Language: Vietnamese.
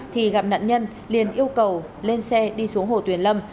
thì gặp nạn nhân liền yêu cầu lên xe đi xuống hồ tuyền lâm